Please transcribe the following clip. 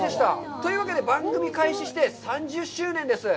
というわけで、番組を開始して３０周年です。